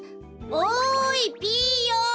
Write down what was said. おいピーヨン。